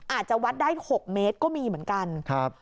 อาจจะวัดได้๖เมตรก็มีเหมือนกันครับ